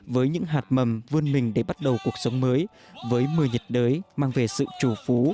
với những hạt mầm vươn mình để bắt đầu cuộc sống mới với mưa nhiệt đới mang về sự chủ phú